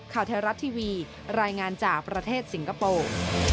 ข่าวไทยรัฐทีวีรายงานจากประเทศสิงคโปร์